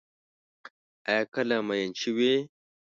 آیا کله مئین شوی یې؟